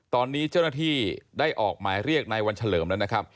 ตอนนี้เจ้าหน้าที่ได้ออกหมายเรียกในวันเฉลิม